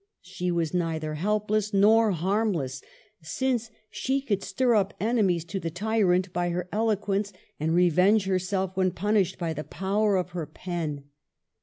She was neither helpless nor harmless, since she could stir up enemies to the tyrant by her eloquence, and revenge herself, when punished, by the power of her pen.